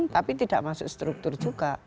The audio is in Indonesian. tapi tidak masuk struktur juga